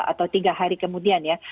atau tiga hari kemudian ya